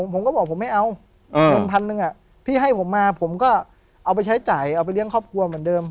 ผมก็บอกผมไม่เอาเงินพันหนึ่งพี่ให้ผมมาผมก็เอาไปใช้จ่ายเอาไปเลี้ยงครอบครัวเหมือนเดิม